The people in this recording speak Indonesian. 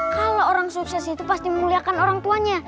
kalau orang sukses itu pasti memuliakan orang tuanya